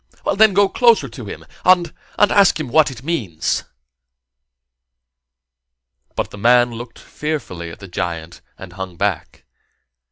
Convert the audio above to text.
Then go closer to him, and and ask him what it means." But the man looked fearfully at the giant and hung back.